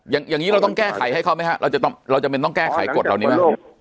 อย่างอย่างงี้เราต้องแก้ไขให้เขาไหมฮะเราจะต้องเราจะไม่ต้องแก้ไขกฎเหล่านี้มาก